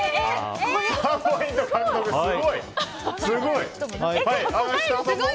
３ポイント獲得、すごい。